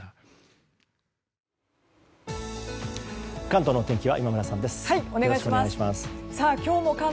関東のお天気は今村さんです。